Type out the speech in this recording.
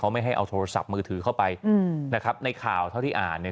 ไม่ให้เอาโทรศัพท์มือถือเข้าไปอืมนะครับในข่าวเท่าที่อ่านเนี่ย